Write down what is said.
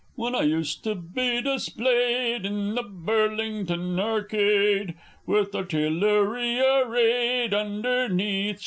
When I used to be displayed, In the Burlington Arcade, With artillery arrayed Underneath.